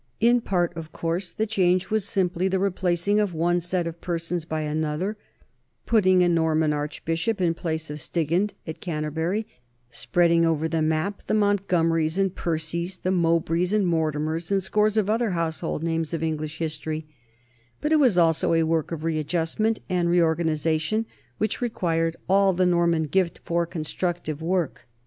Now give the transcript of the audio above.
In part, of course, the change was simply the replacing of one set of persons by another, putting a Norman archbishop in place of Stigand at Canterbury, spreading over the map the Montgomeries and Percies, the Mowbrays and the Mortimers and scores of other household names of English history; but it was also a work of readjustment and reorganization which required all the Norman gift for constructive work.